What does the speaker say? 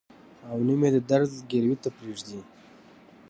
او نه مې د درد ځګروي ته پرېږدي.